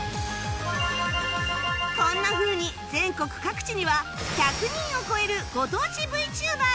こんなふうに全国各地には１００人を超えるご当地 ＶＴｕｂｅｒ が